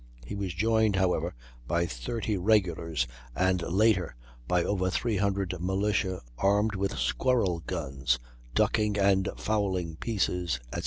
He was joined, however, by 30 regulars, and later by over 300 militia armed with squirrel guns, ducking and fowling pieces, etc.